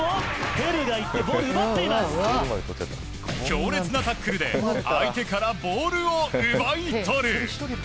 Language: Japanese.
強烈なタックルで相手からボールを奪い取る。